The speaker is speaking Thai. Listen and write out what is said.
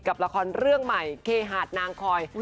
กับละครเรื่องใหม่เคหาดนางคอย